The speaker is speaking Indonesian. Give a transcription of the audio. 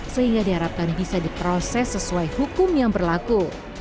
sehingga diharapkan bisa diproses sesuai hukum yang berlaku